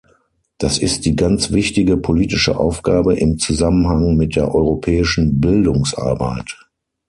Das ist die ganz wichtige politische Aufgabe im Zusammenhang mit der europäischen Bildungsarbeit.